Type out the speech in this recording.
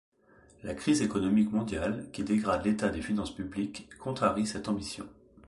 La crise économique mondiale, qui dégrade l'état des finances publiques, contrarie cette ambition.